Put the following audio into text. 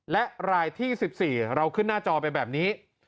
และรายที่๑๔เราขึ้นหน้าจอไปแบบนี้